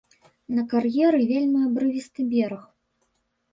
На кар'еры вельмі абрывісты бераг.